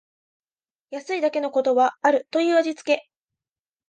安いだけのことはあるという味つけ